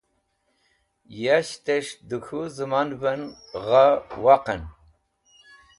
Yashtẽs̃h dẽ k̃hũ zẽmanvẽn gha waqẽn.